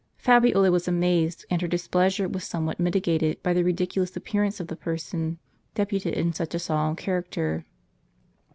Fabiola was amazed, and her displeasure was somewhat mitigated, by the ridiculous appearance of the person deputed in such a solemn character.